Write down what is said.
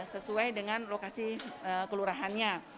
sesuai dengan lokasi kelurahannya